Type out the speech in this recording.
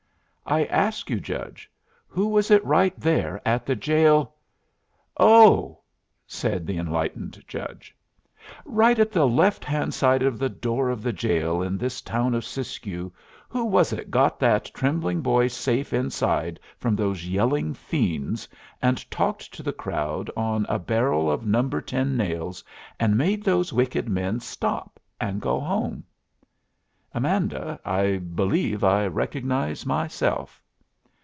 I ask you, judge, who was it right there at the jail " "Oh!" said the enlightened judge. " Right at the left hand side of the door of the jail in this town of Siskiyou, who was it got that trembling boy safe inside from those yelling fiends and talked to the crowd on a barrel of number ten nails, and made those wicked men stop and go home?" "Amanda, I believe I recognize myself."